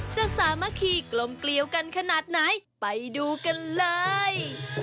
สามัคคีกลมเกลียวกันขนาดไหนไปดูกันเลย